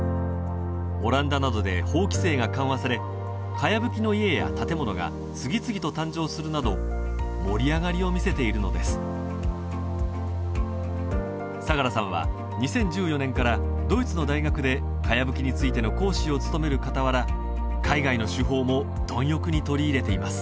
オランダなどで法規制が緩和されかやぶきの家や建物が次々と誕生するなど盛り上がりを見せているのです相良さんは２０１４年からドイツの大学でかやぶきについての講師を務める傍ら海外の手法も貪欲に取り入れています